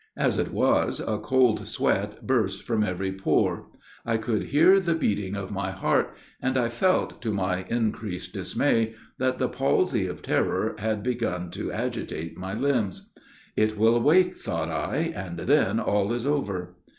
As it was, a cold sweat burst from every pore. I could hear the beating of my heart and I felt, to my increased dismay, that the palsy of terror had began to agitate my limbs! "It will wake," thought I, "and then all is over!"